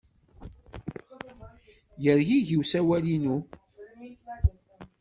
Yergigi usawal-inu.